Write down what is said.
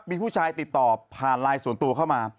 มีผู้ชายติดต่อผ่านไลน์ส่วนตัวเข้ามา